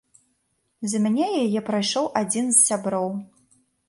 За мяне яе прайшоў адзін з сяброў.